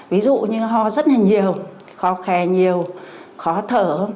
ví dụ như ho rất là nhiều khó khè nhiều khó thở